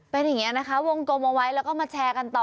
เป็นอย่างนี้นะคะวงกลมเอาไว้แล้วก็มาแชร์กันต่อ